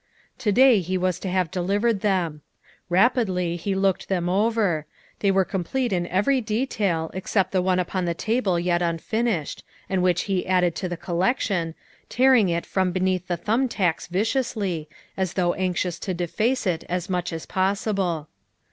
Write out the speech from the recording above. To day he was to have deliv 294 THE WIFE OF ered them. Eapidly he looked them over; they were complete in every detail except the one upon the table yet unfinished, and which he added to the collection, tearing it from beneath the thumb tacks viciously, as though anxious to deface it as much as possible.